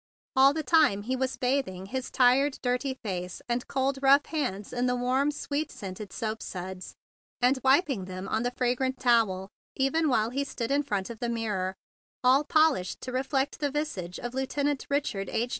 All the time he was bathing his tired, dirty face and cold, rough hands in the warm, sweet scented soap suds, and wiping them on the fragrant towel, even while he stood in front of the mir¬ ror all polished to reflect the visage of Lieutenant Richard H.